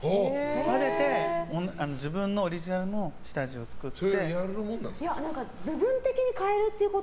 混ぜて自分のオリジナルの下地を作って。